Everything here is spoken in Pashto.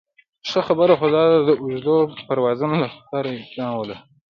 ښه خبره خو داده د اوږدو پروازونو لپاره یو پلان ولرو.